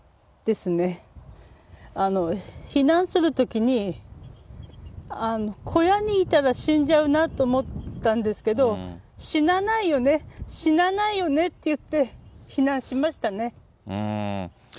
避難するときに、小屋にいたら死んじゃうなと思ったんですけど、死なないよね、死なないよねって言って、避難しましたね。